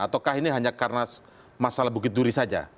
ataukah ini hanya karena masalah bukit duri saja